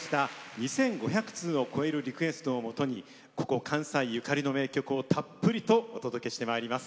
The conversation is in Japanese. ２５００通を超えるリクエストをもとにここ、関西ゆかりの名曲をたっぷりとお届けしてまいります。